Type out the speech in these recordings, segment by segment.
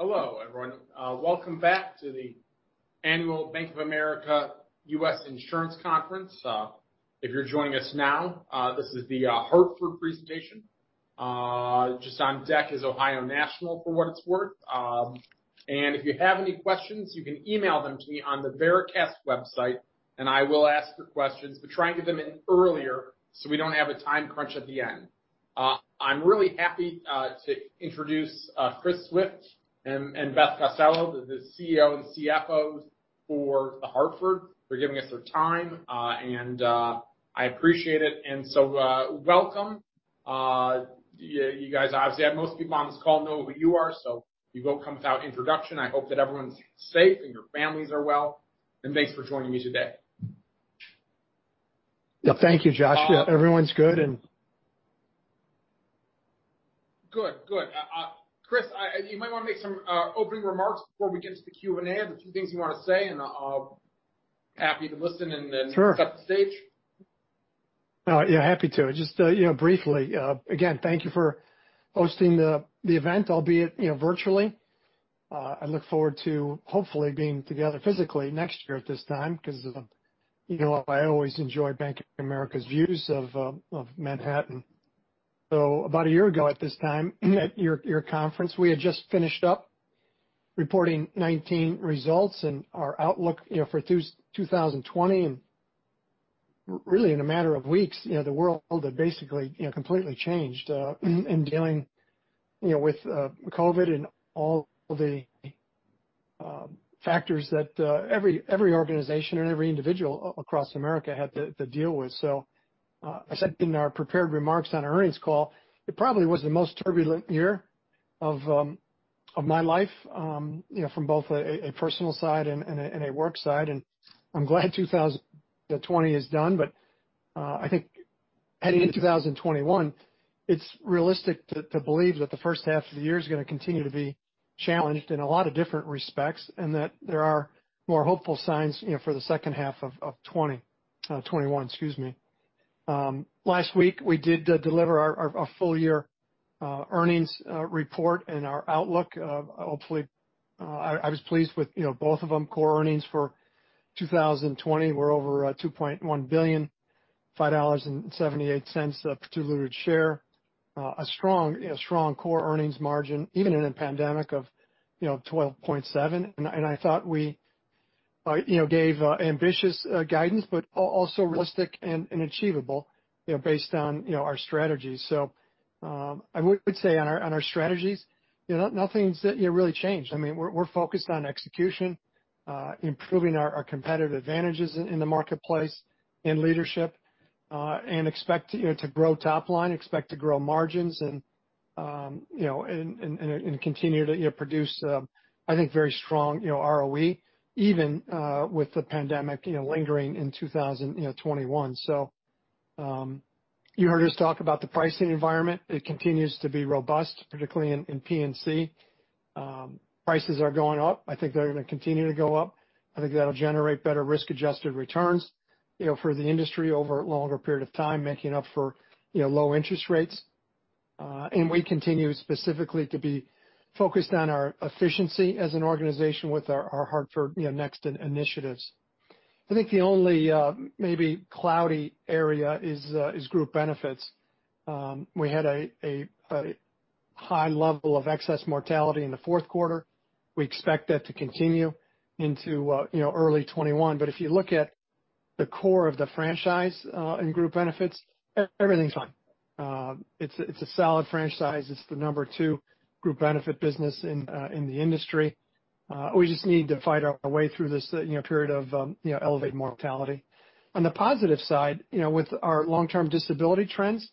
Hello, everyone. Welcome back to the Annual Bank of America U.S. Insurance Conference. If you're joining us now, this is The Hartford presentation. Just on deck is Ohio National, for what it's worth. If you have any questions, you can email them to me on the veracast.com website, I will ask the questions, try and get them in earlier so we don't have a time crunch at the end. I'm really happy to introduce Chris Swift and Beth Bombara, the CEO and CFO for The Hartford. They're giving us their time, I appreciate it. Welcome. Most people on this call know who you are, so you both come without introduction. I hope that everyone's safe. Your families are well. Thanks for joining me today. Thank you, Josh. Everyone's good. Good. Chris, you might want to make some opening remarks before we get to the Q&A or there are things you want to say, I'm happy to listen and- Sure set the stage. Happy to. Just briefly, again, thank you for hosting the event, albeit virtually. I look forward to hopefully being together physically next year at this time, because I always enjoy Bank of America's views of Manhattan. About a year ago at this time, at your conference, we had just finished up reporting 2019 results and our outlook for 2020, and really, in a matter of weeks, the world had basically completely changed in dealing with COVID and all the factors that every organization and every individual across America had to deal with. I said in our prepared remarks on our earnings call, it probably was the most turbulent year of my life, from both a personal side and a work side. I'm glad 2020 is done. I think heading into 2021, it's realistic to believe that the first half of the year is going to continue to be challenged in a lot of different respects, and that there are more hopeful signs for the second half of 2020. 2021, excuse me. Last week, we did deliver our full year earnings report and our outlook. I was pleased with both of them. Core earnings for 2020 were over $2.1 billion, $5.78 per diluted share. A strong core earnings margin, even in a pandemic, of 12.7%. I thought we gave ambitious guidance, but also realistic and achievable based on our strategy. I would say on our strategies, nothing's really changed. We're focused on execution, improving our competitive advantages in the marketplace, in leadership, and expect to grow top line, expect to grow margins, and continue to produce, I think, very strong ROE, even with the pandemic lingering in 2021. You heard us talk about the pricing environment. It continues to be robust, particularly in P&C. Prices are going up. I think they're going to continue to go up. I think that'll generate better risk-adjusted returns for the industry over a longer period of time, making up for low interest rates. We continue specifically to be focused on our efficiency as an organization with our Hartford Next initiatives. I think the only maybe cloudy area is Group Benefits. We had a high level of excess mortality in the fourth quarter. We expect that to continue into early 2021. If you look at the core of the franchise in Group Benefits, everything's fine. It's a solid franchise. It's the number two group benefit business in the industry. We just need to fight our way through this period of elevated mortality. On the positive side, with our long-term disability trends,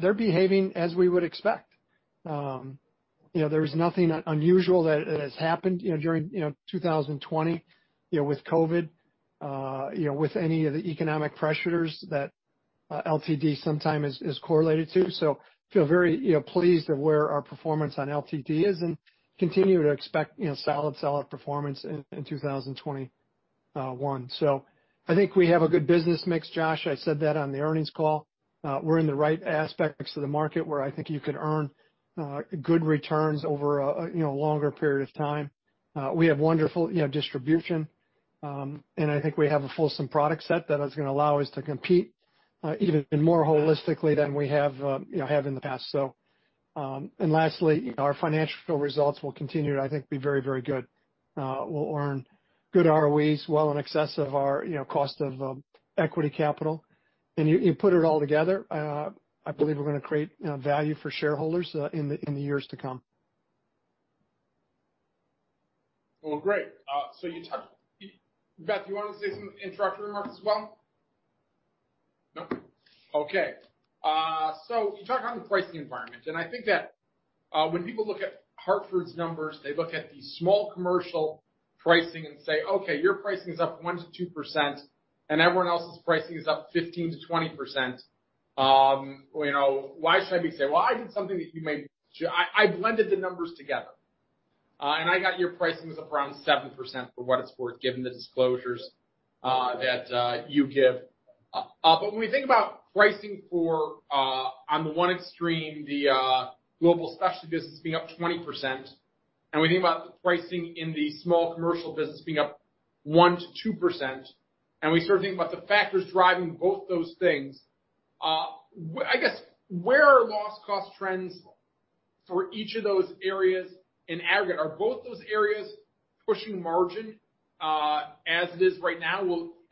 they're behaving as we would expect. There's nothing unusual that has happened during 2020 with COVID, with any of the economic pressures that LTD sometimes is correlated to. I feel very pleased at where our performance on LTD is and continue to expect solid performance in 2021. I think we have a good business mix, Josh. I said that on the earnings call. We're in the right aspects of the market where I think you could earn good returns over a longer period of time. We have wonderful distribution, I think we have a fulsome product set that is going to allow us to compete even more holistically than we have in the past. Lastly, our financial results will continue to, I think, be very, very good. We'll earn good ROEs well in excess of our cost of equity capital. You put it all together, I believe we're going to create value for shareholders in the years to come. Well, great. Beth, do you want to say some introductory remarks as well? No? Okay. You talked about the pricing environment, I think that when people look at The Hartford's numbers, they look at the small commercial pricing and say, "Okay, your pricing is up 1%-2%, everyone else's pricing is up 15%-20%. Why should I be" Well, I did something that I blended the numbers together, I got your pricing was up around 7%, for what it's worth, given the disclosures that you give. When we think about pricing for, on the one extreme, the Global Specialty business being up 20%, and we think about the pricing in the small commercial business being up 1%-2%, and we start thinking about the factors driving both those things, I guess, where are loss cost trends for each of those areas in aggregate? Are both those areas pushing margin as it is right now?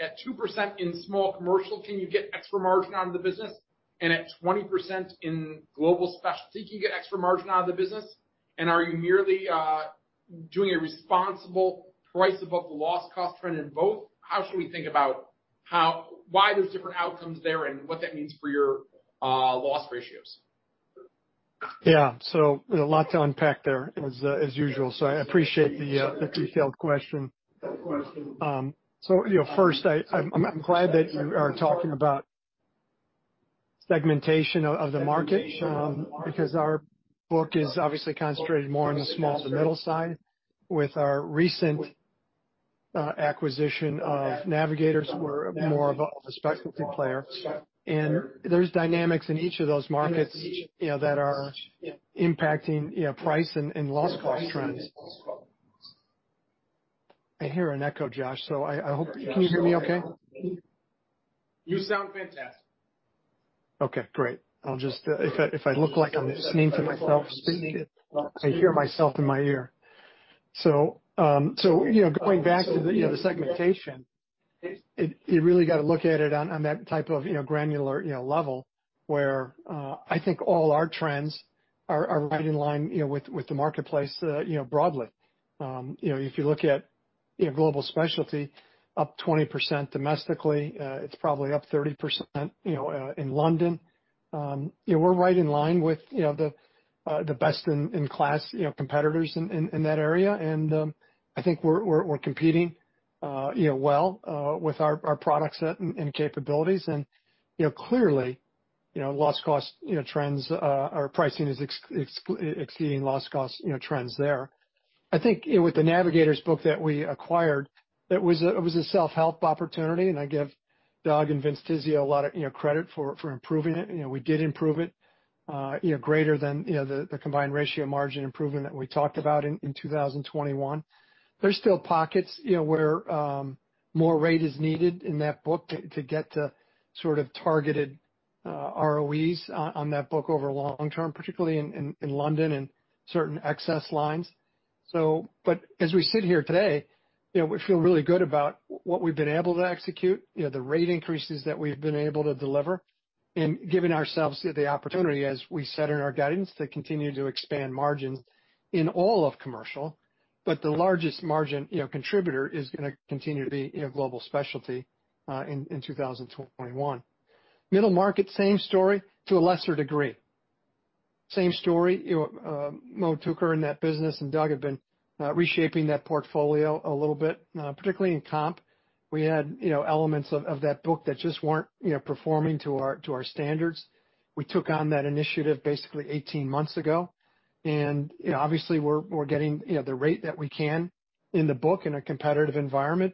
At 2% in small commercial, can you get extra margin out of the business? At 20% in Global Specialty, can you get extra margin out of the business? Are you merely doing a responsible price above the loss cost trend in both? How should we think about why there's different outcomes there and what that means for your loss ratios? Yeah. A lot to unpack there as usual. I appreciate the detailed question. First, I'm glad that you are talking about segmentation of the market, because our book is obviously concentrated more on the small to middle side. With our recent acquisition of Navigators, we're more of a specialty player. There's dynamics in each of those markets that are impacting price and loss cost trends. I hear an echo, Josh, can you hear me okay? You sound fantastic. Okay, great. If I look like I'm just leaning to myself speaking, I hear myself in my ear. Going back to the segmentation, you really got to look at it on that type of granular level, where I think all our trends are right in line with the marketplace broadly. If you look at Global Specialty, up 20% domestically, it's probably up 30% in London. We're right in line with the best-in-class competitors in that area, and I think we're competing well with our products and capabilities. Clearly, our pricing is exceeding loss cost trends there. I think with the Navigators book that we acquired, it was a self-help opportunity, and I give Doug and Vince Tizzio a lot of credit for improving it. We did improve it greater than the combined ratio margin improvement that we talked about in 2021. There's still pockets where more rate is needed in that book to get to sort of targeted ROEs on that book over long term, particularly in London and certain excess lines. As we sit here today, we feel really good about what we've been able to execute, the rate increases that we've been able to deliver, and giving ourselves the opportunity, as we said in our guidance, to continue to expand margins in all of commercial. The largest margin contributor is going to continue to be Global Specialty in 2021. Middle market, same story to a lesser degree. Same story, Mo Tooker in that business and Doug have been reshaping that portfolio a little bit, particularly in comp. We had elements of that book that just weren't performing to our standards. We took on that initiative basically 18 months ago. Obviously, we're getting the rate that we can in the book in a competitive environment,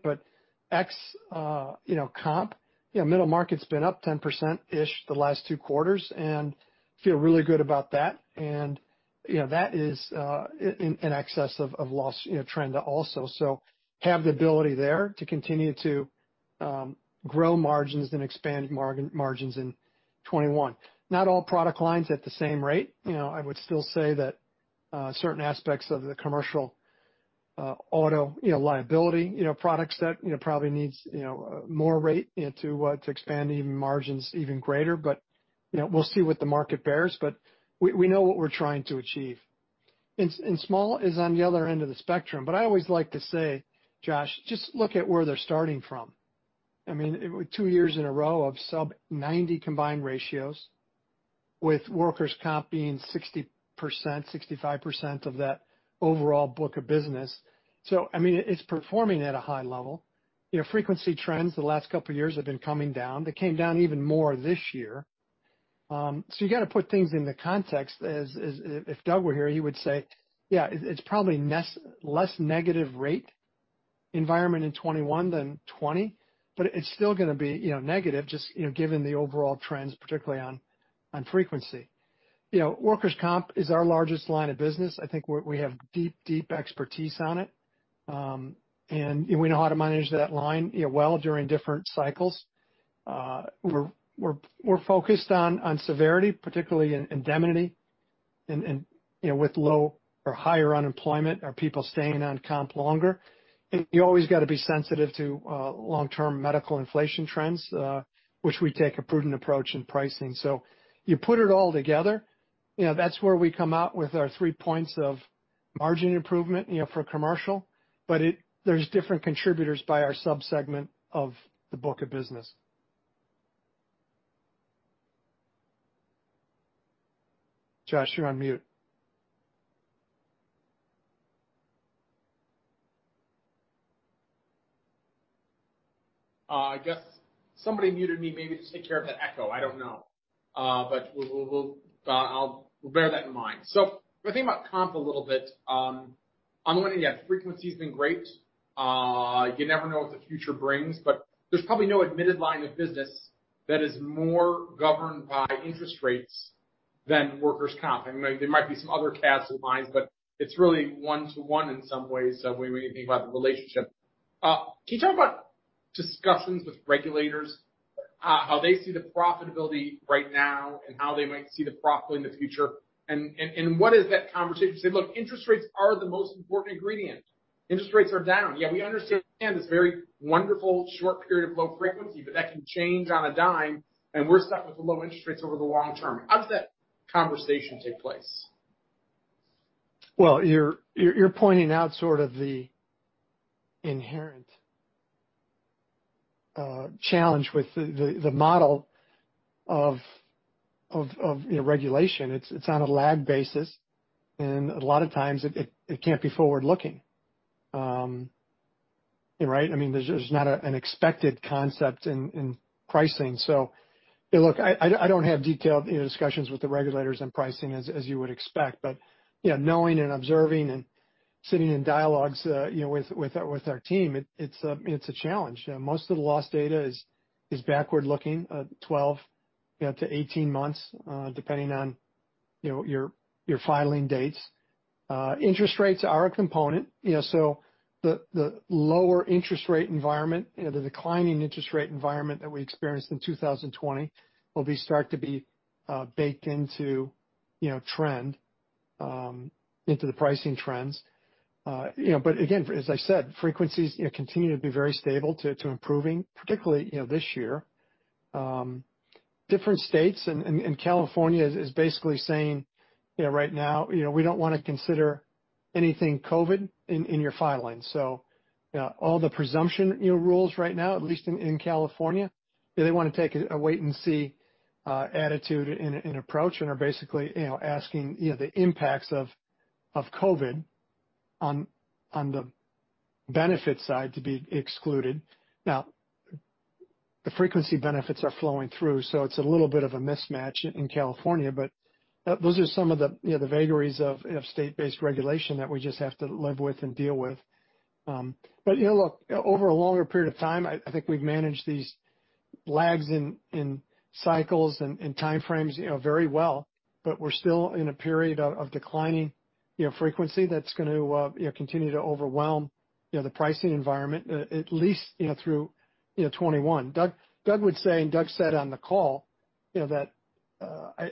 ex comp, middle market's been up 10%-ish the last 2 quarters, and feel really good about that. That is in excess of loss trend also. Have the ability there to continue to grow margins and expand margins in 2021. Not all product lines at the same rate. I would still say that certain aspects of the commercial auto liability products set probably needs more rate to expand even margins even greater. We'll see what the market bears, but we know what we're trying to achieve. Small is on the other end of the spectrum, I always like to say, Josh, just look at where they're starting from. I mean, 2 years in a row of sub 90 combined ratios with workers' comp being 60%-65% of that overall book of business. I mean, it's performing at a high level. Frequency trends the last couple of years have been coming down. They came down even more this year. You got to put things into context. If Doug were here, he would say, yeah, it's probably less negative rate environment in 2021 than 2020, but it's still going to be negative, just given the overall trends, particularly on frequency. Workers' comp is our largest line of business. I think we have deep expertise on it. We know how to manage that line well during different cycles. We're focused on severity, particularly in indemnity and with low or higher unemployment. Are people staying on comp longer? You always got to be sensitive to long-term medical inflation trends, which we take a prudent approach in pricing. You put it all together, that's where we come out with our three points of margin improvement for commercial. There's different contributors by our sub-segment of the book of business. Josh, you're on mute. I guess somebody muted me maybe to take care of that echo. I don't know. We'll bear that in mind. If I think about comp a little bit- On one hand, yes, frequency has been great. You never know what the future brings, but there's probably no admitted line of business that is more governed by interest rates than workers' comp. There might be some other casualty lines, but it's really one-to-one in some ways when you think about the relationship. Can you talk about discussions with regulators, how they see the profitability right now, and how they might see the profit in the future? What is that conversation? Say, look, interest rates are the most important ingredient. Interest rates are down. Yeah, we understand it's very wonderful, short period of low frequency, that can change on a dime, we're stuck with the low interest rates over the long term. How does that conversation take place? Well, you're pointing out sort of the inherent challenge with the model of regulation. It's on a lag basis, and a lot of times it can't be forward-looking. Right. Look, I don't have detailed discussions with the regulators on pricing, as you would expect. Knowing and observing and sitting in dialogues with our team, it's a challenge. Most of the loss data is backward-looking, 12-18 months, depending on your filing dates. Interest rates are a component. The lower interest rate environment, the declining interest rate environment that we experienced in 2020, will start to be baked into the pricing trends. Again, as I said, frequencies continue to be very stable to improving, particularly this year. Different states, and California is basically saying right now, we don't want to consider anything COVID in your filings. All the presumption rules right now, at least in California, they want to take a wait-and-see attitude and approach and are basically asking the impacts of COVID on the benefit side to be excluded. Now, the frequency benefits are flowing through, so it's a little bit of a mismatch in California. Those are some of the vagaries of state-based regulation that we just have to live with and deal with. Look, over a longer period of time, I think we've managed these lags in cycles and time frames very well. We're still in a period of declining frequency that's going to continue to overwhelm the pricing environment, at least through 2021. Doug would say, and Doug said on the call, that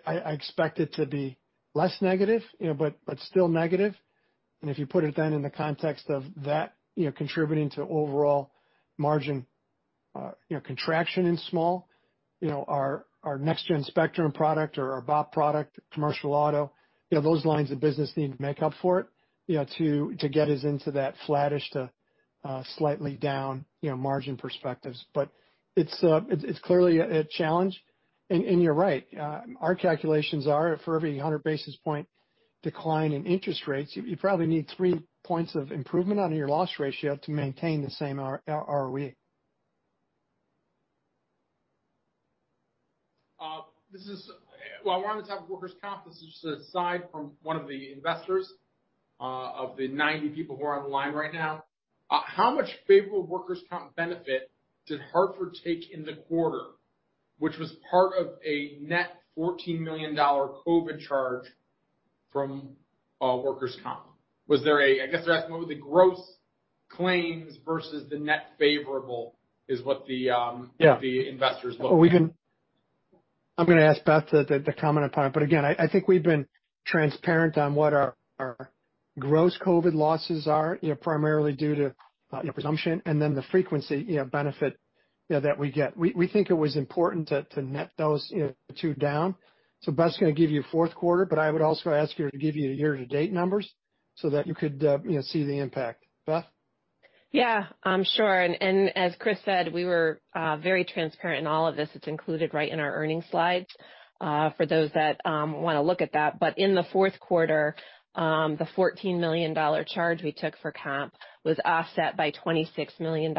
I expect it to be less negative, but still negative. If you put it then in the context of that contributing to overall margin contraction in small, our next-gen Spectrum product or our BOP product, commercial auto, those lines of business need to make up for it to get us into that flattish to slightly down margin perspectives. It's clearly a challenge. You're right, our calculations are for every 100 basis point decline in interest rates, you probably need three points of improvement on your loss ratio to maintain the same ROE. Well, I wanted to talk Workers' Comp. This is aside from one of the investors of the 90 people who are on the line right now. How much favorable Workers' Comp benefit did Hartford take in the quarter, which was part of a net $14 million COVID charge from Workers' Comp? I guess they're asking what were the gross claims versus the net favorable is what the. Yeah The investor is looking. I'm going to ask Beth to comment upon it. Again, I think we've been transparent on what our gross COVID losses are, primarily due to presumption, and then the frequency benefit that we get. We think it was important to net those two down. Beth's going to give you fourth quarter, but I would also ask her to give you year-to-date numbers so that you could see the impact. Beth? Sure. As Chris said, we were very transparent in all of this. It's included right in our earnings slides for those that want to look at that. In the fourth quarter, the $14 million charge we took for comp was offset by $26 million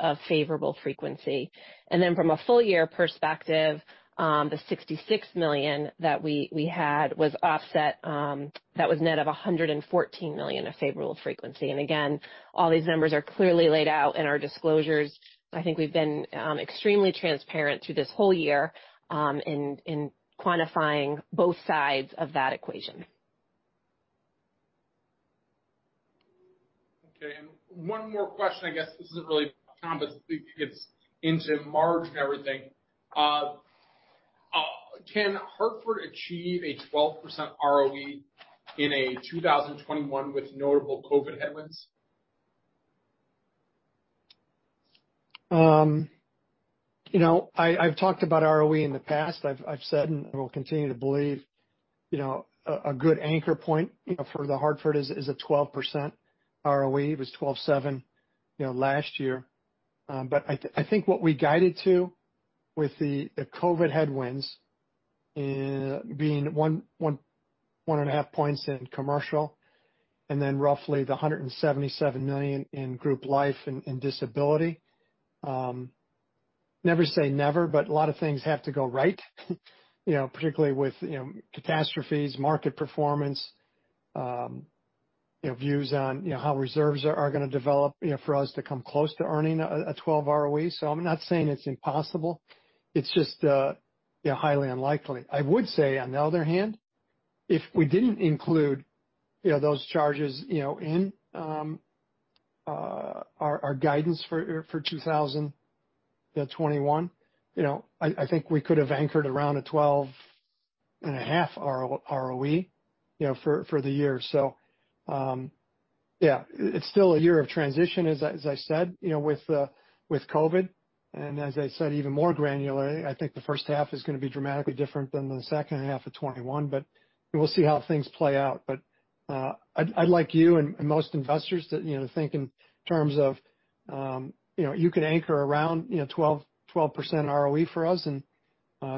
of favorable frequency. From a full-year perspective, the $66 million that we had was offset, that was net of $114 million of favorable frequency. Again, all these numbers are clearly laid out in our disclosures. I think we've been extremely transparent through this whole year in quantifying both sides of that equation. Okay. One more question, I guess this isn't really comp, but it gets into margin and everything. Can Hartford achieve a 12% ROE in a 2021 with notable COVID headwinds? I've talked about ROE in the past. I've said, and I will continue to believe, a good anchor point for The Hartford is a 12% ROE. It was 12.7 last year. I think what we guided to with the COVID headwinds being 1.5 points in commercial, and then roughly the $177 million in group life and disability. Never say never, but a lot of things have to go right, particularly with catastrophes, market performance, views on how reserves are going to develop for us to come close to earning a 12 ROE. I'm not saying it's impossible. It's just highly unlikely. I would say, on the other hand, if we didn't include those charges in our guidance for 2021, I think we could have anchored around a 12.5% ROE for the year. Yeah, it's still a year of transition, as I said, with COVID, and as I said, even more granularly, I think the first half is going to be dramatically different than the second half of 2021, but we'll see how things play out. I'd like you and most investors to think in terms of you could anchor around 12% ROE for us, and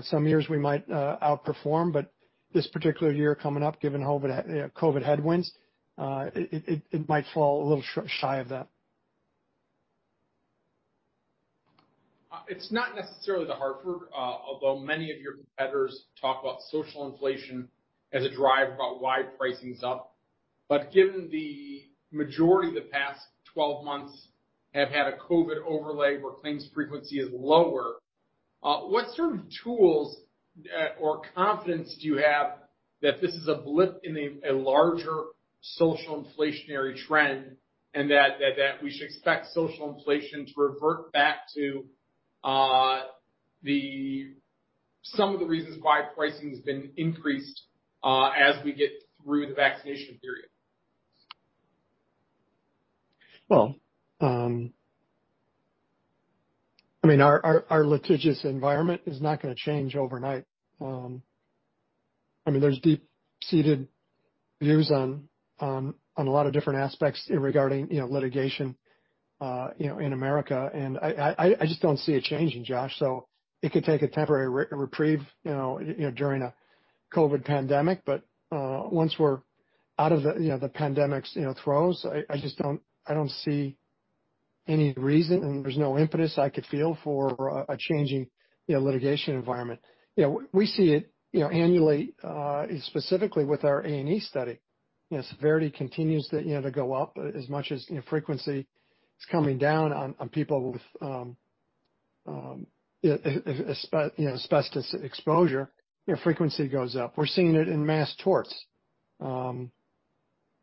some years we might outperform, but this particular year coming up, given COVID headwinds, it might fall a little shy of that. It's not necessarily The Hartford, although many of your competitors talk about social inflation as a driver about why pricing's up. But given the majority of the past 12 months have had a COVID overlay where claims frequency is lower, what sort of tools or confidence do you have that this is a blip in a larger social inflationary trend, and that we should expect social inflation to revert back to some of the reasons why pricing has been increased as we get through the vaccination period? Our litigious environment is not going to change overnight. There's deep-seated views on a lot of different aspects regarding litigation in America, and I just don't see it changing, Josh. It could take a temporary reprieve during a COVID pandemic, but once we're out of the pandemic's throes, I don't see any reason, and there's no impetus I could feel for a changing litigation environment. We see it annually, specifically with our A&E study. Severity continues to go up as much as frequency is coming down on people with asbestos exposure, frequency goes up. We're seeing it in mass torts during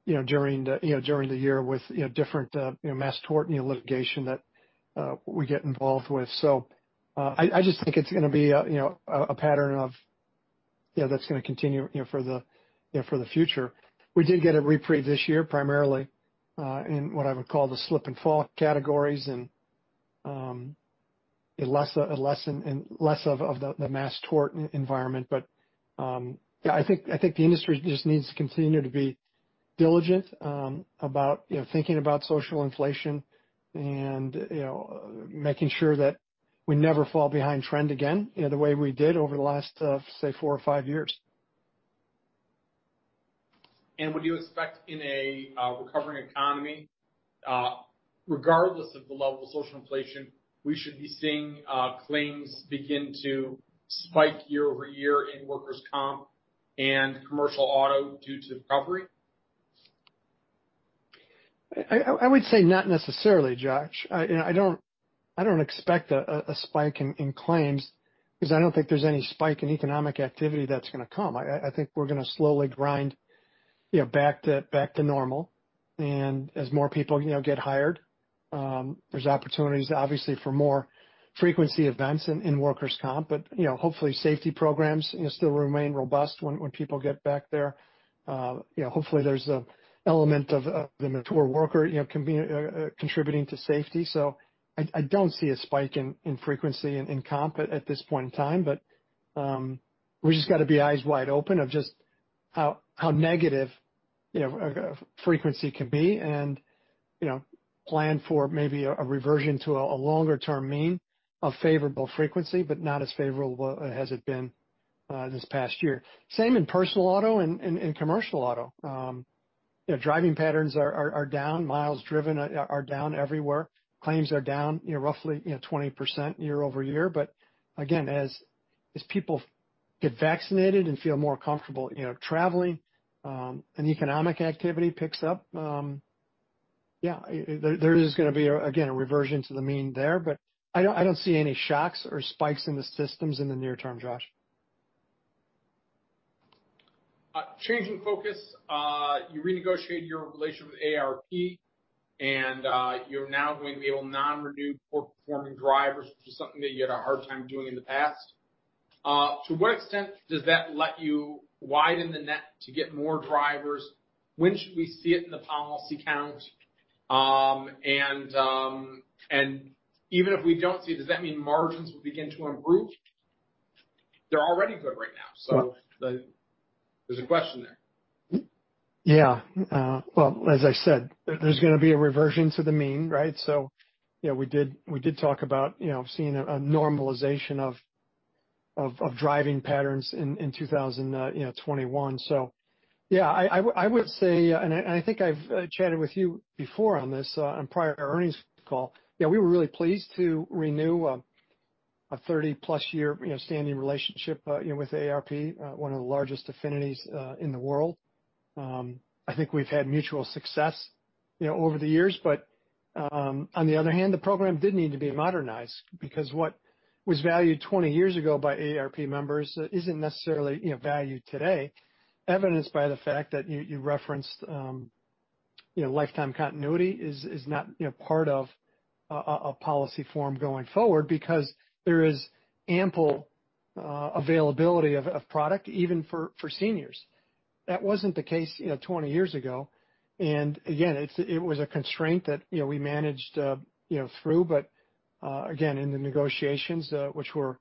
the year with different mass tort litigation that we get involved with. I just think it's going to be a pattern that's going to continue for the future. We did get a reprieve this year, primarily in what I would call the slip and fall categories and less of the mass tort environment. I think the industry just needs to continue to be diligent about thinking about social inflation and making sure that we never fall behind trend again the way we did over the last, say, four or five years. Would you expect in a recovering economy, regardless of the level of social inflation, we should be seeing claims begin to spike year-over-year in workers' comp and commercial auto due to the recovery? I would say not necessarily, Josh. I don't expect a spike in claims because I don't think there's any spike in economic activity that's going to come. I think we're going to slowly grind back to normal. As more people get hired, there's opportunities, obviously, for more frequency events in workers' comp. Hopefully safety programs still remain robust when people get back there. Hopefully, there's an element of the mature worker contributing to safety. I don't see a spike in frequency in comp at this point in time. We've just got to be eyes wide open of just how negative a frequency can be and plan for maybe a reversion to a longer-term mean of favorable frequency, but not as favorable as it has been this past year. Same in personal auto and in commercial auto. Driving patterns are down, miles driven are down everywhere. Claims are down roughly 20% year-over-year. Again, as people get vaccinated and feel more comfortable traveling and economic activity picks up, there is going to be, again, a reversion to the mean there. I don't see any shocks or spikes in the systems in the near term, Josh. Changing focus. You renegotiated your relationship with AARP, you're now going to be able to non-renew poor performing drivers, which is something that you had a hard time doing in the past. To what extent does that let you widen the net to get more drivers? When should we see it in the policy count? Even if we don't see it, does that mean margins will begin to improve? They're already good right now. There's a question there. Well, as I said, there's going to be a reversion to the mean, right? We did talk about seeing a normalization of driving patterns in 2021. Yeah, I would say, I think I've chatted with you before on this on a prior earnings call. We were really pleased to renew a 30-plus year standing relationship with AARP, one of the largest affinities in the world. I think we've had mutual success over the years. On the other hand, the program did need to be modernized, because what was valued 20 years ago by AARP members isn't necessarily valued today, evidenced by the fact that you referenced lifetime continuity is not part of a policy form going forward because there is ample availability of product even for seniors. That wasn't the case 20 years ago. Again, it was a constraint that we managed through. Again, in the negotiations, which were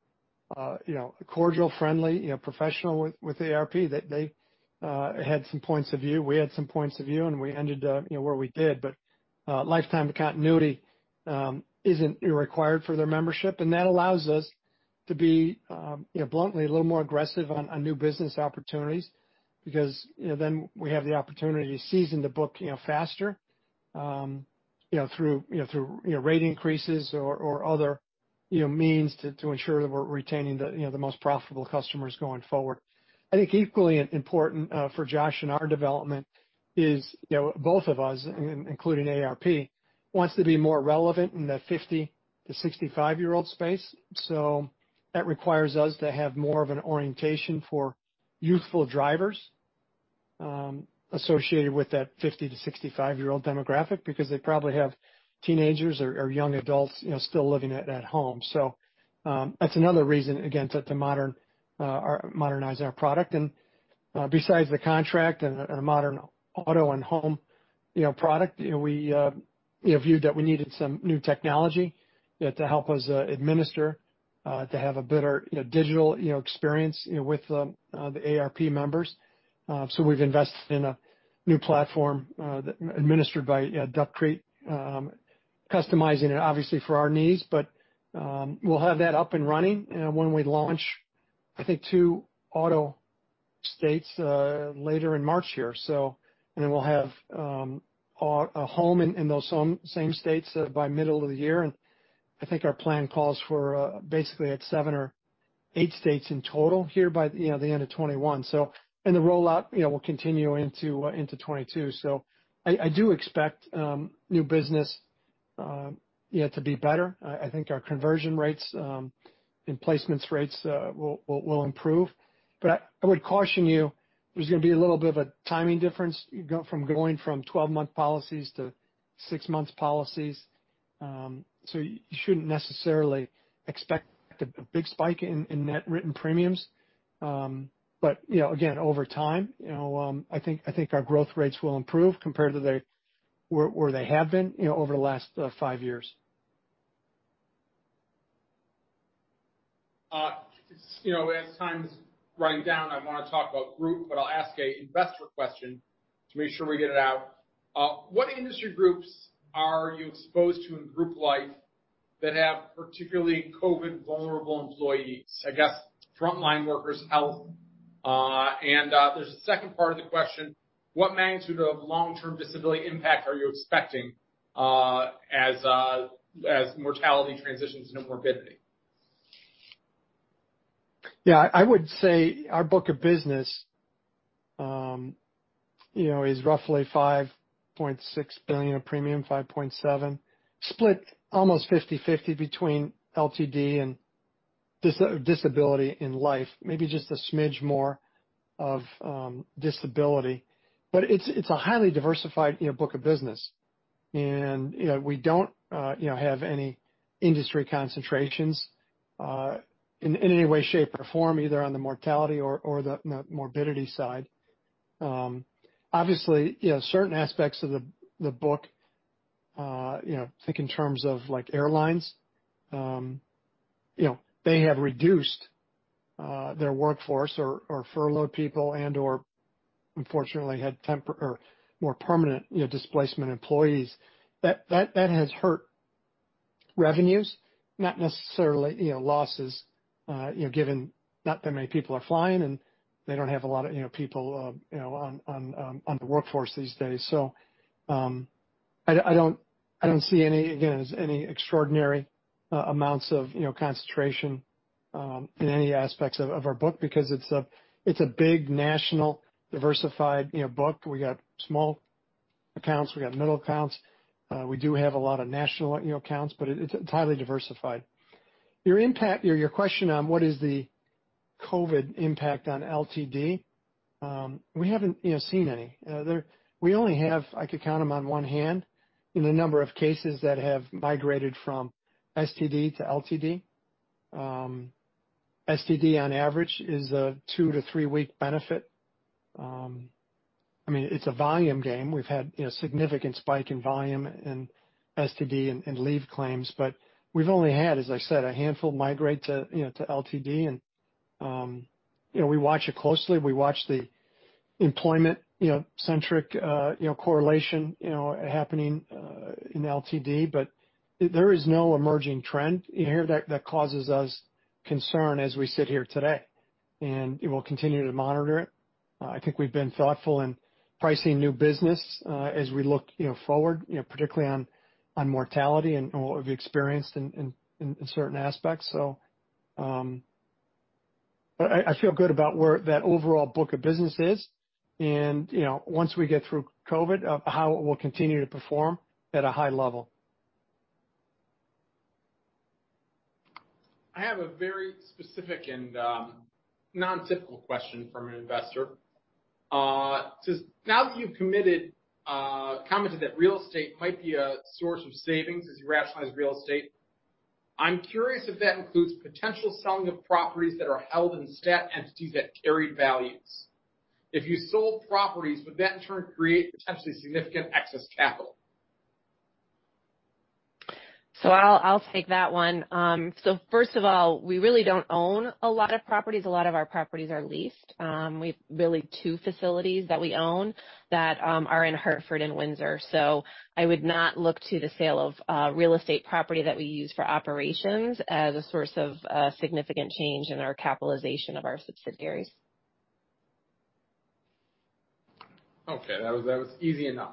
cordial, friendly, professional with AARP, they had some points of view, we had some points of view, we ended where we did. Lifetime continuity isn't required for their membership, that allows us to be bluntly, a little more aggressive on new business opportunities, because then we have the opportunity to season the book faster through rate increases or other means to ensure that we're retaining the most profitable customers going forward. I think equally important for Josh and our development is both of us, including AARP, wants to be more relevant in the 50 to 65-year-old space. That requires us to have more of an orientation for youthful drivers associated with that 50 to 65-year-old demographic, because they probably have teenagers or young adults still living at home. That's another reason, again, to modernize our product. Besides the contract and a modern auto and home product, we viewed that we needed some new technology to help us administer to have a better digital experience with the AARP members. We've invested in a new platform administered by Duck Creek, customizing it obviously for our needs. We'll have that up and running when we launch, I think 2 auto states later in March here. Then we'll have a home in those same states by middle of the year. I think our plan calls for basically at 7 or 8 states in total here by the end of 2021. The rollout will continue into 2022. I do expect new business to be better. I think our conversion rates and placements rates will improve. I would caution you, there's going to be a little bit of a timing difference from going from 12-month policies to 6-month policies. You shouldn't necessarily expect a big spike in net written premiums. Again, over time, I think our growth rates will improve compared to where they have been over the last five years. As time's running down, I want to talk about Group, but I'll ask an investor question to make sure we get it out. What industry groups are you exposed to in Group life that have particularly COVID vulnerable employees? I guess frontline workers' health. There's a second part of the question: What magnitude of long-term disability impact are you expecting as mortality transitions into morbidity? I would say our book of business is roughly $5.6 billion of premium, $5.7 billion, split almost 50/50 between LTD and disability in life, maybe just a smidge more of disability. It's a highly diversified book of business. We don't have any industry concentrations in any way, shape, or form, either on the mortality or the morbidity side. Obviously, certain aspects of the book, think in terms of airlines. They have reduced their workforce or furloughed people and/or unfortunately had more permanent displacement employees. That has hurt revenues, not necessarily losses, given not that many people are flying, and they don't have a lot of people on the workforce these days. I don't see any, again, as any extraordinary amounts of concentration in any aspects of our book because it's a big national diversified book. We got small accounts, we got middle accounts. We do have a lot of national accounts, but it's highly diversified. Your question on what is the COVID impact on LTD, we haven't seen any. We only have, I could count them on one hand, in the number of cases that have migrated from STD to LTD. STD on average is a 2- to 3-week benefit. It's a volume game. We've had significant spike in volume in STD and leave claims, but we've only had, as I said, a handful migrate to LTD, and we watch it closely. We watch the Employment centric correlation happening in LTD. There is no emerging trend here that causes us concern as we sit here today, and we'll continue to monitor it. I think we've been thoughtful in pricing new business as we look forward, particularly on mortality and what we've experienced in certain aspects. I feel good about where that overall book of business is. Once we get through COVID, it will continue to perform at a high level. I have a very specific and non-typical question from an investor. It says, "Now that you've commented that real estate might be a source of savings as you rationalize real estate, I'm curious if that includes potential selling of properties that are held in stat entities at carried values. If you sold properties, would that in turn create potentially significant excess capital? I'll take that one. First of all, we really don't own a lot of properties. A lot of our properties are leased. We've really two facilities that we own that are in Hartford and Windsor. I would not look to the sale of real estate property that we use for operations as a source of significant change in our capitalization of our subsidiaries. Okay. That was easy enough.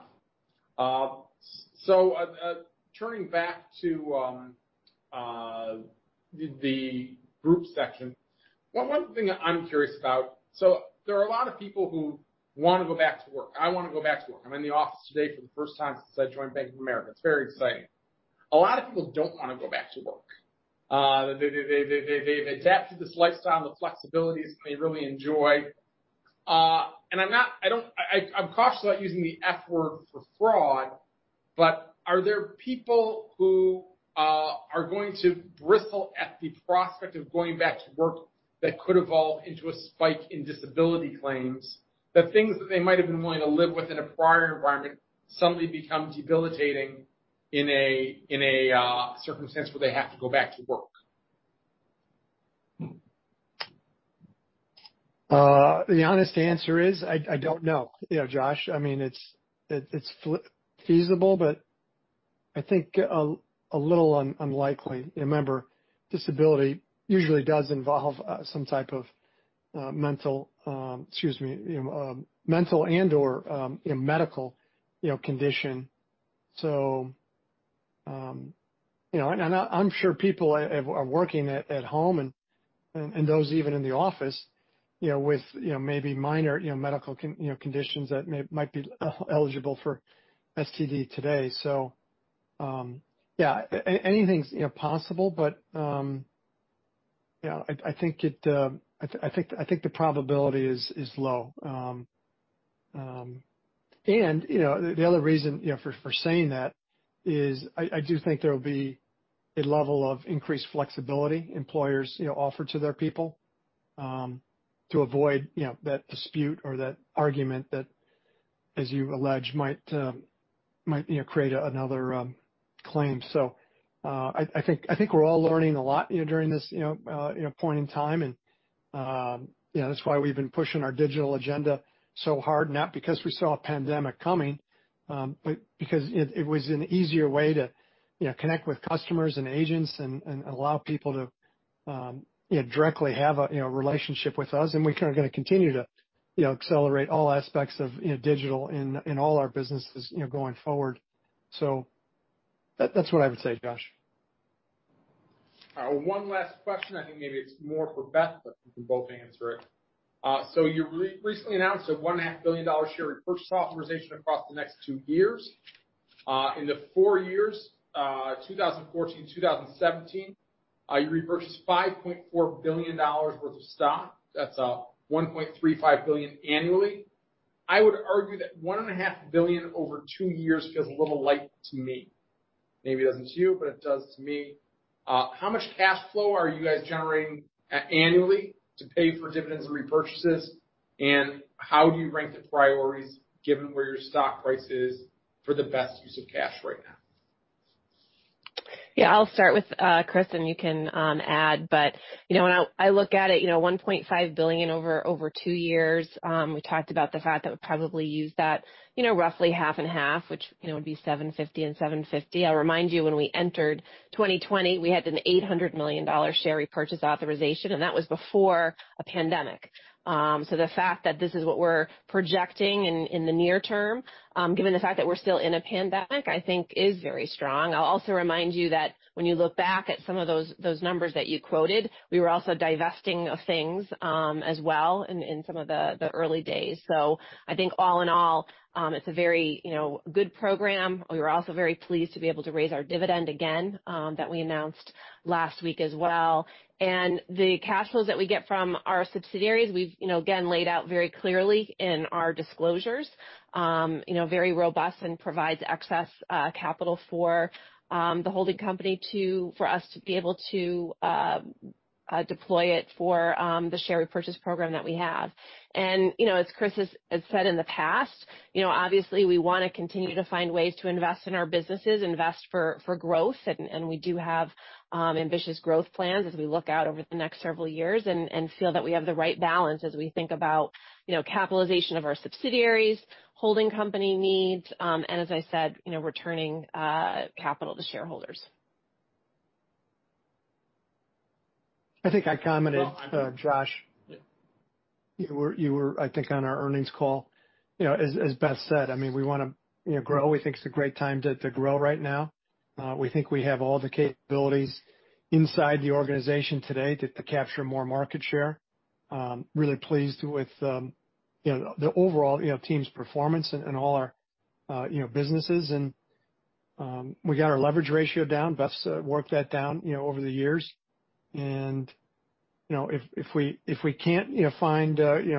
Turning back to the Group section, one thing I'm curious about, there are a lot of people who want to go back to work. I want to go back to work. I'm in the office today for the first time since I joined Bank of America. It's very exciting. A lot of people don't want to go back to work. They've adapted this lifestyle of flexibilities they really enjoy. I'm cautious about using the F word for fraud, but are there people who are going to bristle at the prospect of going back to work that could evolve into a spike in disability claims, that things that they might have been willing to live with in a prior environment suddenly become debilitating in a circumstance where they have to go back to work? The honest answer is, I don't know, Josh. It's feasible, but I think a little unlikely. Remember, disability usually does involve some type of mental and/or medical condition. So, and I'm sure people are working at home, and those even in the office with maybe minor medical conditions that might be eligible for STD today. Yeah, anything's possible, but I think the probability is low. The other reason for saying that is I do think there will be a level of increased flexibility employers offer to their people, to avoid that dispute or that argument that, as you allege, might create another claim. I think we're all learning a lot during this point in time, and that's why we've been pushing our digital agenda so hard. Not because we saw a pandemic coming, but because it was an easier way to connect with customers and agents and allow people to directly have a relationship with us, and we are going to continue to accelerate all aspects of digital in all our businesses going forward. That's what I would say, Josh. All right. One last question. I think maybe it's more for Beth, but you can both answer it. You recently announced a $1.5 billion share repurchase authorization across the next two years. In the four years, 2014, 2017, you repurchased $5.4 billion worth of stock. That's $1.35 billion annually. I would argue that $1.5 billion over two years feels a little light to me. Maybe it doesn't to you, but it does to me. How much cash flow are you guys generating annually to pay for dividends and repurchases, and how do you rank the priorities given where your stock price is for the best use of cash right now? Yeah, I'll start with Chris, and you can add, but when I look at it, $1.5 billion over two years. We talked about the fact that we'll probably use that roughly half and half, which would be $750 million and $750 million. I'll remind you, when we entered 2020, we had an $800 million share repurchase authorization, and that was before a pandemic. The fact that this is what we're projecting in the near term, given the fact that we're still in a pandemic, I think is very strong. I'll also remind you that when you look back at some of those numbers that you quoted, we were also divesting of things, as well in some of the early days. I think all in all, it's a very good program. We were also very pleased to be able to raise our dividend again, that we announced last week as well. The cash flows that we get from our subsidiaries, we've again, laid out very clearly in our disclosures. Very robust and provides excess capital for the holding company for us to be able to deploy it for the share repurchase program that we have. As Chris has said in the past, obviously, we want to continue to find ways to invest in our businesses, invest for growth, and we do have ambitious growth plans as we look out over the next several years and feel that we have the right balance as we think about capitalization of our subsidiaries, holding company needs. As I said, returning capital to shareholders. I think I commented, Josh. Yeah. You were, I think, on our earnings call. As Beth said, we want to grow. We think it's a great time to grow right now. We think we have all the capabilities inside the organization today to capture more market share. Really pleased with the overall team's performance in all our businesses. We got our leverage ratio down. Beth's worked that down over the years. If we can't find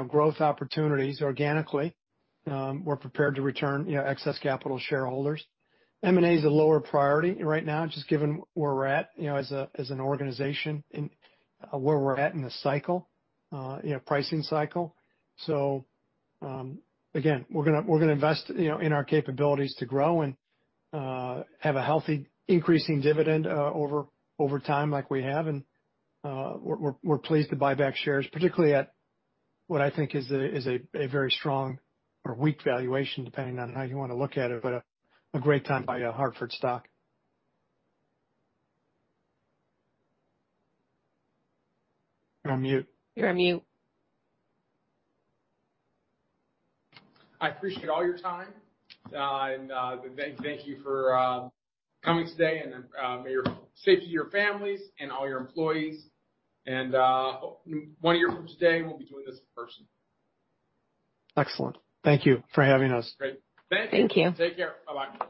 growth opportunities organically, we're prepared to return excess capital to shareholders. M&A is a lower priority right now, just given where we're at as an organization and where we're at in the pricing cycle. Again, we're going to invest in our capabilities to grow and have a healthy increasing dividend over time, like we have. We're pleased to buy back shares, particularly at what I think is a very strong or weak valuation, depending on how you want to look at it. A great time to buy a Hartford stock. You're on mute. You're on mute. I appreciate all your time. Thank you for coming today, and safety of your families and all your employees. One year from today, we'll be doing this in person. Excellent. Thank you for having us. Great. Thank you. Take care. Bye-bye.